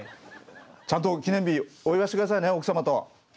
ちゃんと記念日お祝いして下さいね奥様と。